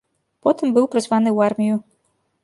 Потым быў прызваны ў армію.